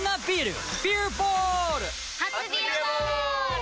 初「ビアボール」！